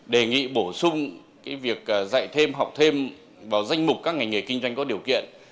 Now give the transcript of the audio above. đề nghị bổ sung việc dạy thêm học thêm vào danh mục các ngành nghề kinh doanh có điều kiện